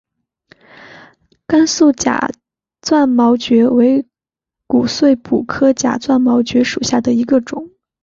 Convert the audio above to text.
甘肃假钻毛蕨为骨碎补科假钻毛蕨属下的一个种。